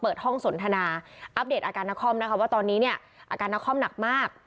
เปิดห้องสนทนาอัปเดตอาการนครนะคะว่าตอนนี้เนี่ยอาการนาคอมหนักมาก